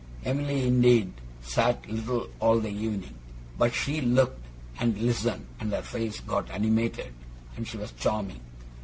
Em'ly, indeed, said little all the evening; but she looked, and listened, and her face got animated, and she was charming.